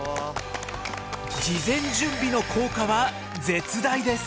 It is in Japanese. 事前準備の効果は絶大です！